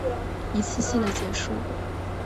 一次次的结束